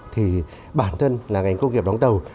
thì bản thân là ngành công nghiệp đóng tàu